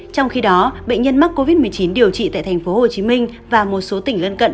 trong khi đó bệnh nhân mắc covid một mươi chín điều trị tại tp hcm và một số tỉnh lân cận